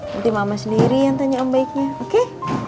nanti mama sendiri yang tanya sama baiknya oke